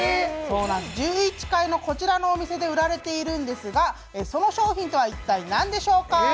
１１階のこちらのお店で売られているんですが、その商品とは一体何でしょうか？